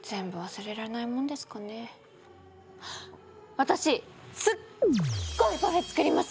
私すっごいパフェ作りますよ！